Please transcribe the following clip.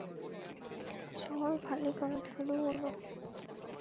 শহর খালি করা শুরু করো।